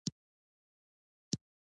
سمندر نه شتون د افغانانو د ګټورتیا برخه ده.